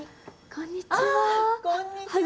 こんにちは。